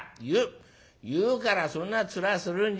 言うからそんな面するんじゃないよ。